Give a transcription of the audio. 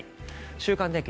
週間天気